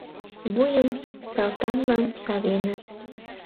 Вуйым Салтанлан савеныт.